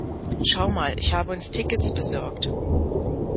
Schau mal, ich habe uns Tickets besorgt.